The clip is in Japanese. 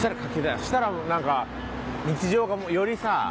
そしたらなんか日常がよりさ